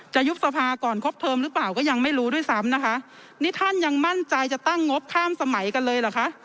ยุบสภาก่อนครบเทิมหรือเปล่าก็ยังไม่รู้ด้วยซ้ำนะคะนี่ท่านยังมั่นใจจะตั้งงบข้ามสมัยกันเลยเหรอคะ